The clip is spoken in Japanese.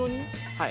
はい。